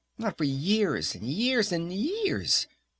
Not for years and years and years!